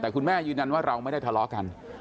แต่คุณแม่ยืนยันว่าเราไม่ได้ทะเลาะกัน